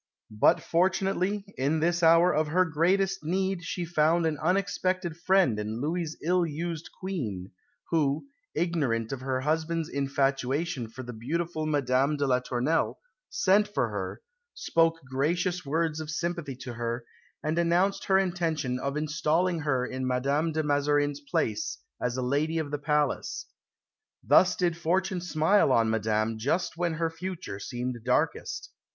But, fortunately, in this hour of her greatest need she found an unexpected friend in Louis' ill used Queen, who, ignorant of her husband's infatuation for the beautiful Madame de la Tournelle, sent for her, spoke gracious words of sympathy to her, and announced her intention of installing her in Madame de Mazarin's place as a lady of the palace. Thus did fortune smile on Madame just when her future seemed darkest.